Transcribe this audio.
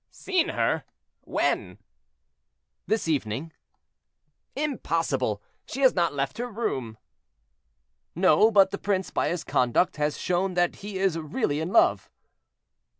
"Seen her! when?" "This evening." "Impossible; she has not left her room." "No, but the prince, by his conduct, has shown that he is really in love."